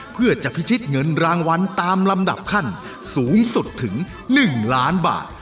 เพื่อจะพิชิตเงินรางวัลตามลำดับขั้นสูงสุดถึง๑ล้านบาท